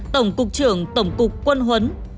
tổng cục trưởng tổng cục quân huấn